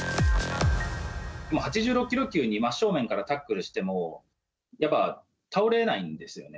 ８６キロ級に真っ正面からタックルしてもやっぱ倒れないんですよね。